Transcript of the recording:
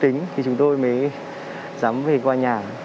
tính thì chúng tôi mới dám về qua nhà